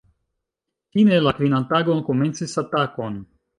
Fine la kvinan tagon komencis atakon.